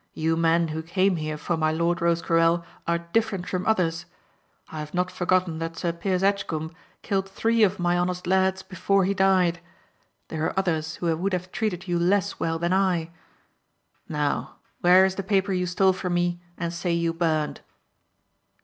"You men who came here for my lord Rosecarrel are different from others. I have not forgotten that Sir Piers Edgcomb killed three of my honest lads before he died. There are others who would have treated you less well than I. Now, where is the paper you stole from me and say you burned?"